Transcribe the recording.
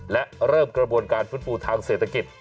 และเริ่มกระบวนการฟื้นฟูทางเศรษฐกิจ